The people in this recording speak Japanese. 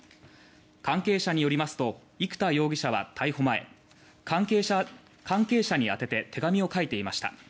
関係者によりますと生田容疑者は逮捕前関係者に宛てて手紙を記していました。